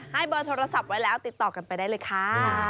ให้เบอร์โทรศัพท์ไว้แล้วติดต่อกันไปได้เลยค่ะ